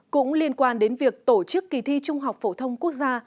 cũng liên quan đến việc tổ chức kỳ thi trung học phổ thông quốc gia